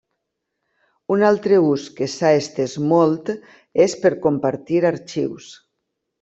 Un altre ús que s'ha estès molt és per compartir arxius.